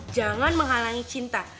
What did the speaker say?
jangan menghalangi cinta